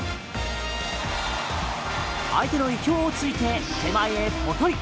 相手の意表を突いて手前へポトリ。